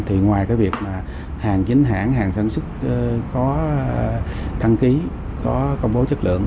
thì ngoài cái việc mà hàng chính hãng hàng sản xuất có đăng ký có công bố chất lượng